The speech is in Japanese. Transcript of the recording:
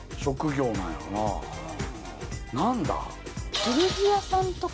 何だ？